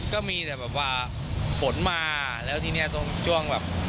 ก็มีแต่แบบว่าฝนมาแล้วทีนี้ตรงช่วงแบบ